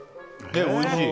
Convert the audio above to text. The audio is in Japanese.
おいしい。